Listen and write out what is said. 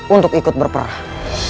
untuk ikut berperang